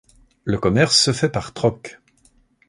Le commerce se fait par troc.